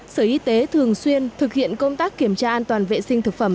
sở y tế thường xuyên thực hiện công tác kiểm tra an toàn vệ sinh thực phẩm